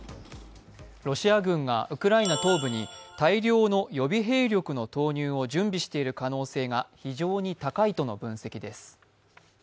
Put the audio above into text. ロシア軍がウクライナ東部に大量の予備兵力の投入を準備している可能性が非常に高いとの分析です。